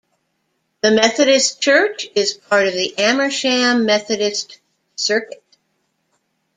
The Methodist church is part of the Amersham Methodist Circuit.